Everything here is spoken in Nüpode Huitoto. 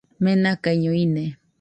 Menakaiño ine